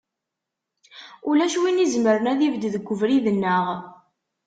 Ulac win izemren ad ibedd deg ubrid-nneɣ.